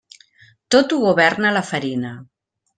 Tot ho governa la farina.